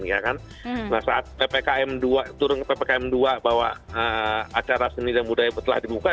nah saat ppkm dua turun ppkm dua bahwa acara seni dan budaya telah dibuka